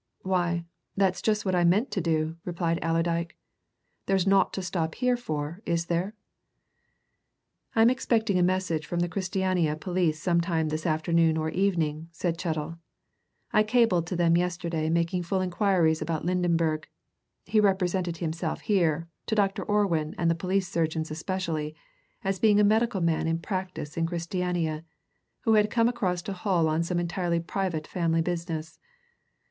"Why, that's just what I meant to do," replied Allerdyke. "There's naught to stop here for, is there?" "I'm expecting a message from the Christiania police some time this afternoon or evening," said Chettle. "I cabled to them yesterday making full inquiries about Lydenberg he represented himself here, to Dr. Orwin and the police surgeons especially, as being a medical man in practice in Christiania, who had come across to Hull on some entirely private family business.